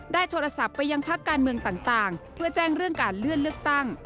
โทรศัพท์ไปยังพักการเมืองต่างเพื่อแจ้งเรื่องการเลื่อนเลือกตั้ง